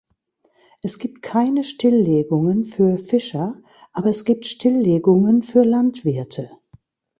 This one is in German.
Es gibt keine Stillegungen für Fischer, aber es gibt Stillegungen für Landwirte!